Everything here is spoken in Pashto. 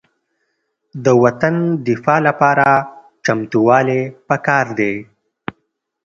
د وطن دفاع لپاره چمتووالی پکار دی.